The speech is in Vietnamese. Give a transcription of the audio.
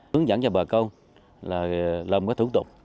hướng dẫn cho bà công là làm các thủ tục